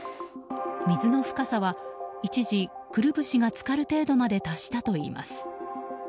水の深さは一時くるぶしが浸かるまで達したといいます。